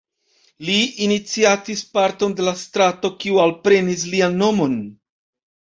Li iniciatis parton de la strato kiu alprenis lian nomon.